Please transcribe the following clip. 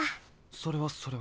それはそれは。